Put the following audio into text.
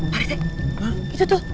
pak retta itu tuh